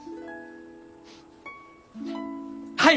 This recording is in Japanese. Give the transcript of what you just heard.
はい！